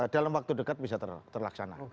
dalam waktu dekat bisa terlaksana